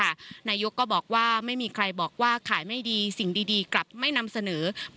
นายกก็บอกว่าไม่มีใครบอกว่าขายไม่ดีสิ่งดีกลับไม่นำเสนอ